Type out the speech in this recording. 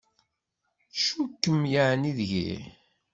Tcukkem yeεni deg-i?